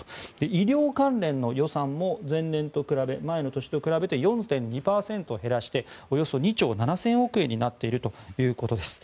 医療関連の予算も前年と比べて４．２％減らしておよそ２兆７０００億円になっているということです。